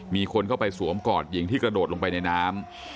มีคนเข้าไปสวมกอดหญิงที่กระโดดลงไปในน้ำ